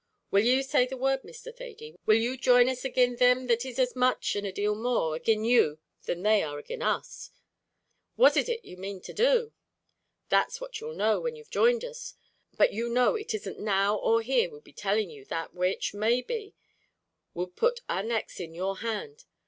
Will you say the word, Mr. Thady? Will you join us agin thim that is as much, an' a deal more, agin you than they are agin us?" "But what is it you main to do?" "That's what you'll know when you've joined us; but you know it isn't now or here we'd be telling you that which, maybe, would put our necks in your hand.